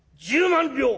「１０万両」。